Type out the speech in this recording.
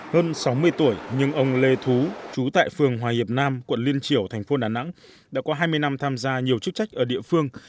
hơn sáu mươi tuổi nhưng ông lê thú trú tại phường hòa hiệp nam quận liên triểu thành phố đà nẵng đã qua hai mươi năm tham gia nhiều chức trách ở địa phương